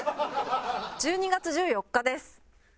「１２月１４日です」